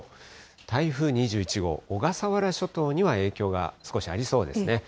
台風２１号、小笠原諸島には影響が少しありそうですね。